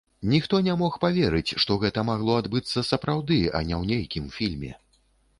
Ніхто не мог паверыць, што гэта магло адбыцца сапраўды, а не ў нейкім фільме.